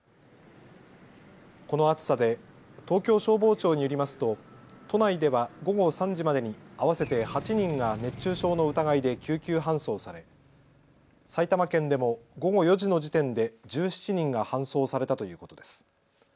この暑さで東京消防庁によりますと都内では午後３時までに合わせて８人が熱中症の疑いで救急搬送され埼玉県でも午後４時の時点で１７人が搬送されたということです。